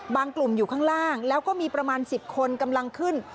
กลุ่มอยู่ข้างล่างแล้วก็มีประมาณ๑๐คนกำลังขึ้น